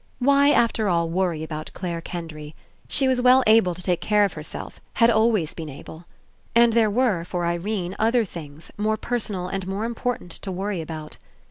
Why, after all, worry about Clare Kendry? She was well able to take care of herself, had always been able. And there were, for Irene, other things, more personal and more Important to worry about.